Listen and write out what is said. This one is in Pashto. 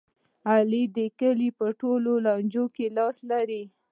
علي د کلي په ټول لانجو کې لاس لري.